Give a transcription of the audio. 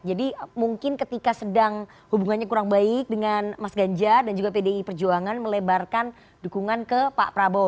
mungkin ketika sedang hubungannya kurang baik dengan mas ganjar dan juga pdi perjuangan melebarkan dukungan ke pak prabowo